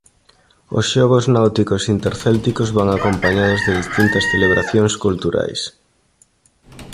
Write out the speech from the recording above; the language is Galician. Os Xogos Náuticos Intercélticos van acompañados de distintas celebracións culturais.